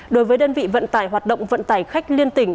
đối với đơn vị vận tải hoạt động vận tải khách liên tỉnh